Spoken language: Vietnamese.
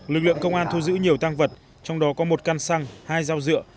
lực lượng công an thu giữ nhiều tăng vật trong đó có một căn xăng hai dao dựa